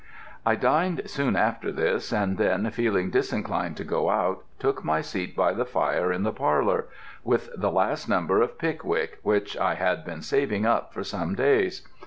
I dined soon after this, and then, feeling disinclined to go out, took my seat by the fire in the parlour, with the last number of Pickwick, which I had been saving up for some days.